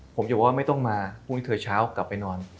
ผมจะบอกว่าไม่ต้องมาพรุ่งนี้เธอเช้ากลับไปนอน